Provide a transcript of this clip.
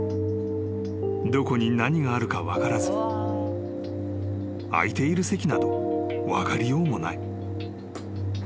［どこに何があるか分からず空いている席など分かりようもない］